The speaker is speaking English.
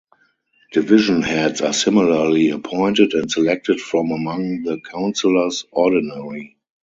Division heads are similarly appointed and selected from among the councillors ordinary.